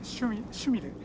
趣味でね。